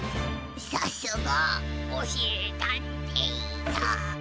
さすがおしりたんていさ。